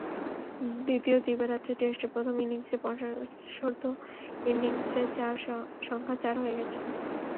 দ্বিতীয় দিবারাত্রির টেস্টে প্রথম ইনিংসেই পঞ্চাশোর্ধ্ব ইনিংসের সংখ্যা চার হয়ে গেছে।